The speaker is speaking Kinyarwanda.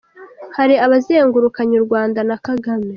Hari abazengurukanye u Rwanda na Kagame.